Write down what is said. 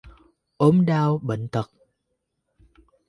Ốm đau, bệnh tật